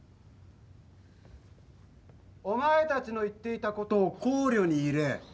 ・お前たちの言っていたことを考慮に入れ